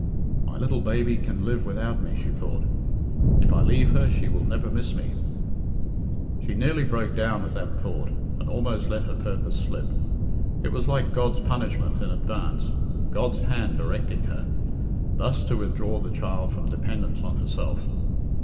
"My little baby can live without me," she thought. "If I leave her, she will never miss me." She nearly broke down at that thought, and almost let her purpose slip. It was like God's punishment in advance, God's hand directing her thus to withdraw the child from dependence on herself.